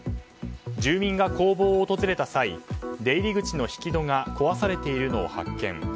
住民が工房を訪れた際出入り口の引き戸が壊されているのを発見。